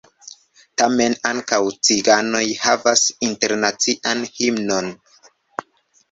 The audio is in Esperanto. Tamen ankaŭ ciganoj havas internacian himnon.